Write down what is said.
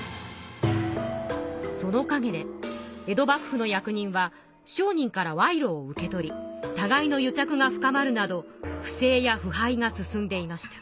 そのかげで江戸幕府の役人は商人から賄賂を受け取りたがいのゆちゃくが深まるなど不正やふ敗が進んでいました。